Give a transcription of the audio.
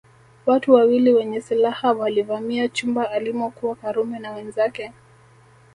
Watu wawili wenye silaha walivamia chumba alimokuwa Karume na wenzake